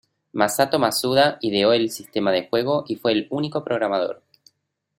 Masato Masuda ideó el sistema de juego y fue el único programador.